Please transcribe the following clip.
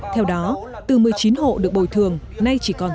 theo đó từ một mươi chín hộ được bồi thường nay chỉ còn